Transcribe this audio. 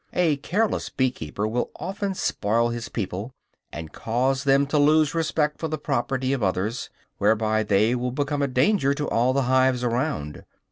A careless bee keeper will often spoil his people, and cause them to lose respect for the property of others, whereby they will become a danger to all the hives around.